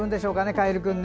カエル君ね。